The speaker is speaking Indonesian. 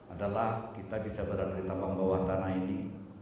adalah kita bisa berada di tambang bawah tanah ini